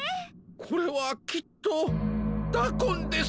これはきっとダコンです！